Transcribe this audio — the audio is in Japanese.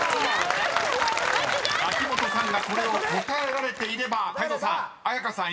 ［秋元さんがこれを答えられていれば泰造さん絢香さんいけましたか？］